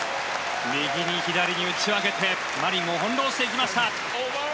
右に左に打ち分けてマリンを翻弄していきました。